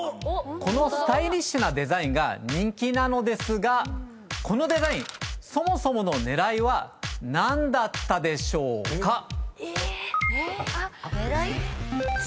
このスタイリッシュなデザインが人気なのですがこのデザインそもそもの狙いは何だったでしょうか？